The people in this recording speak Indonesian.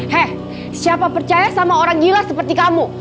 hei siapa percaya sama orang gila seperti kamu